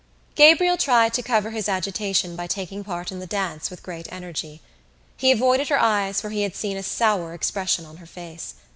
Gabriel tried to cover his agitation by taking part in the dance with great energy. He avoided her eyes for he had seen a sour expression on her face.